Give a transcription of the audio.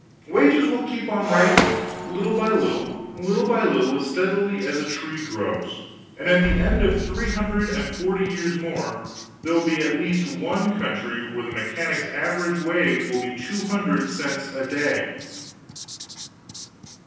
"Wages will keep on rising, little by little, little by little, as steadily as a tree grows, and at the end of three hundred and forty years more there'll be at least one country where the mechanic's average wage will be two hundred cents a day!"